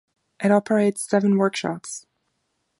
It operates seven workshops.